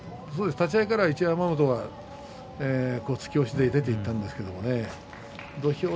立ち合いからは一山本が突き押しで出ていったんですがね。